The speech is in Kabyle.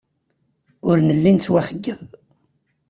Ur nelli nettwaxeyyeb.